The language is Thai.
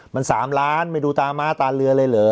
มัน๓ล้านไม่ดูตาม้าตาเรือเลยเหรอ